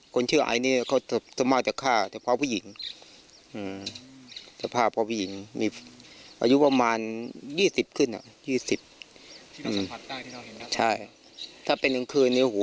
คนชื่ออันนี้เขาสม่าจะฆ่าพระผู้หญิงสภาพพระผู้หญิงมีอายุประมาณ๒๐ขึ้น